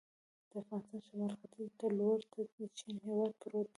د افغانستان شمال ختیځ ته لور ته د چین هېواد پروت دی.